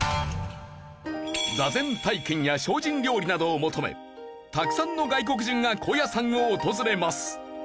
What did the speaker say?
座禅体験や精進料理などを求めたくさんの外国人が高野山を訪れます。